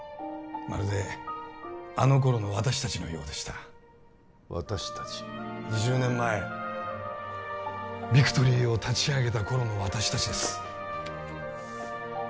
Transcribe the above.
まるであの頃の私達のようでした私達２０年前ビクトリーを立ち上げた頃の私達です